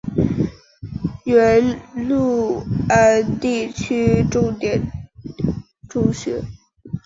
原六安地区重点中学。